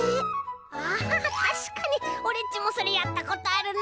ああたしかにオレっちもそれやったことあるな。